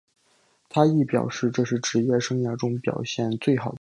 他亦表示这是职业生涯中表现最好的一场比赛。